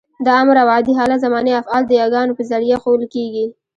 د امر او عادي حالت زماني افعال د يګانو په ذریعه ښوول کېږي.